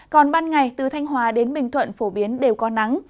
còn ban ngày từ thanh hòa đến bình thuận phổ biến đều có nắng